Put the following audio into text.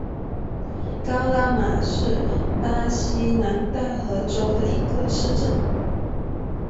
高拉马是巴西南大河州的一个市镇。